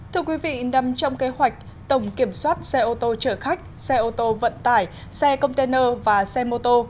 thưa quý vị nằm trong kế hoạch tổng kiểm soát xe ô tô chở khách xe ô tô vận tải xe container và xe mô tô